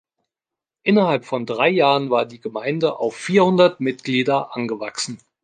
Innerhalb von drei Jahren war die Gemeinde auf vierhundert Mitglieder angewachsen.